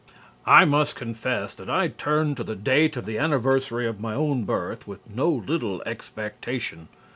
I must confess that I turned to the date of the anniversary of my own birth with no little expectation.